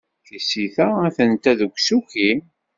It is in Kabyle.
Tisita atenta deg usuki.